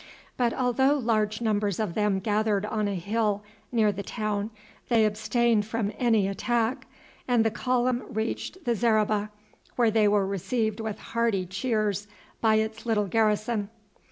But although large numbers of them gathered on a hill near the town they abstained from any attack, and the column reached the zareba, where they were received with hearty cheers by its little garrison.